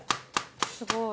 すごい！